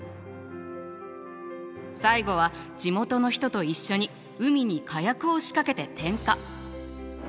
最後は地元の人と一緒に海に火薬を仕掛けて点火。